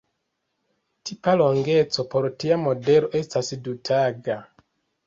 Tipa longeco por tia modelo estas du-taga.